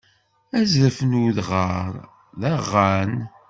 Azref n udɣar d aɣan?